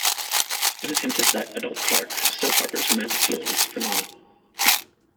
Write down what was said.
It is hinted that adult Clark still harbours romantic feelings for Lana.